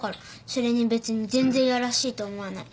それに別に全然やらしいと思わない。